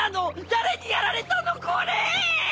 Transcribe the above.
誰にやられたのこれぇ！